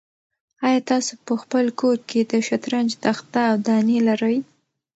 آیا تاسو په خپل کور کې د شطرنج تخته او دانې لرئ؟